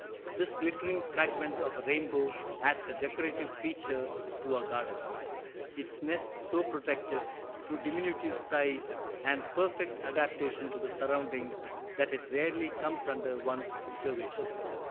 This "glittering fragment of a rainbow" adds a decorative feature to our gardens, its nest so protected through diminutive size and perfect adaptation to the surroundings that it rarely comes under one's observation.